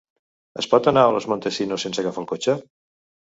Es pot anar a Los Montesinos sense agafar el cotxe?